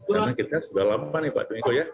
karena kita sudah lama nih pak amiko ya